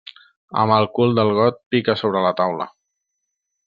Amb el cul del got pica sobre la taula.